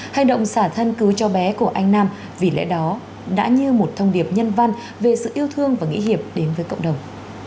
hành động xả thân cứu cho bé của anh nam vì lẽ đó đã như một thông điệp nhân văn về sự yêu thương và nghĩa hiệp đến với cộng đồng